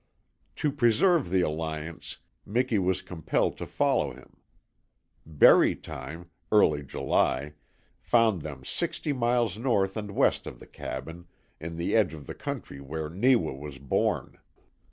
To preserve the alliance Miki was compelled to follow him. Berry time early July found them sixty miles north and west of the cabin, in the edge of the country where Neewa was born.